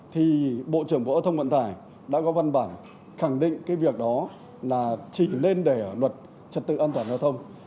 thì bộ trưởng bộ giao thông vận tải đã có văn bản khẳng định cái việc đó là chỉnh lên để luật trật tự an toàn giao thông